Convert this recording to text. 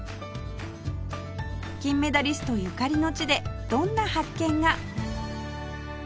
金メダリストゆかりの地でどんな発見が？